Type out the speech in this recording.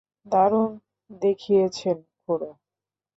দারুণ দেখিয়েছেন, খুড়ো।